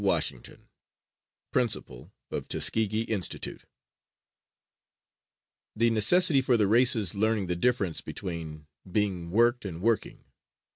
WASHINGTON, Principal of Tuskegee Institute The necessity for the race's learning the difference between being worked and working.